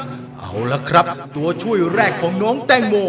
๑ท่อนอยากจะให้ลุงอ่านท่อนนั้นให้ฟัง